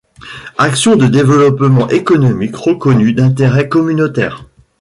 Actions de développement économique reconnues d'intérêt communautaire.